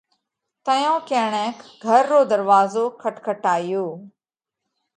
تئيون ڪڻئيڪ گھر رو ڌروازو کٽکٽايو۔